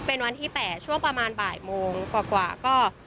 เป็นวันที่๘ช่วงประมาณบ่ายโมงกว่าก็